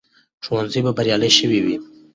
ښوونځي به بریالي شوي وي.